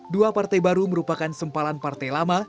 dua partai baru merupakan sempalan partai lama